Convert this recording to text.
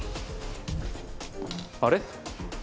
あれ？